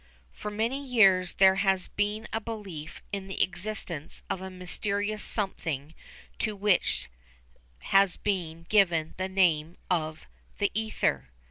For many years there has been a belief in the existence of a mysterious something to which has been given the name of "The Ether."